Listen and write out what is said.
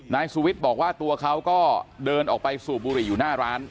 นายสุวิทย์บอกว่าตัวเขาก็เดินออกไปสูบบุหรี่อยู่หน้าร้าน